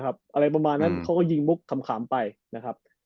อะไรประมาณนั้นเขาก็ยิงมุกขำไปนะครับ